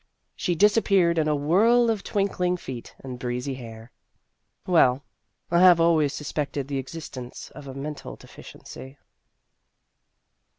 She disappeared in a whirl of twinkling feet and breezy hair. Well I have always suspected the existence of a mental deficiency.